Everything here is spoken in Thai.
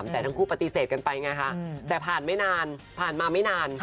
แต่ทั้งคู่ปฏิเสธกันไปไงคะแต่ผ่านไม่นานผ่านมาไม่นาน